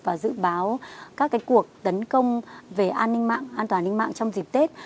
và dự báo các cuộc tấn công về an ninh mạng an toàn ninh mạng trong dịp tết